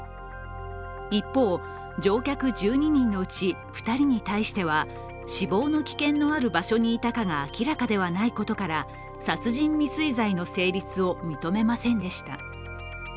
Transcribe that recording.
一方、乗客１２人のうち２人に対しては死亡の危険のある場所にいたたが明らかでないことから、殺人未遂罪の成立を認めませんでした。